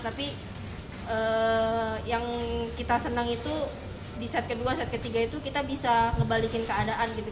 tapi yang kita senang itu di set kedua set ketiga itu kita bisa ngebalikin keadaan gitu